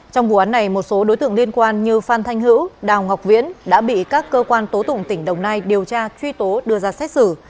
trong vụ án này một số đối tượng liên quan như phan thanh hữu đào ngọc viễn đã bị các cơ quan tố tụng tỉnh đồng nai điều tra truy tố đưa ra xét xử